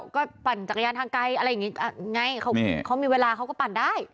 ก็ปั่นจักรยานทางไกลอะไรอย่างนี้ไงเขามีเวลาเขาก็ปั่นได้